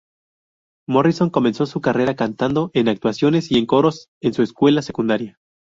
Morrison comenzó su carrera cantando en actuaciones y en coros en su escuela secundaria.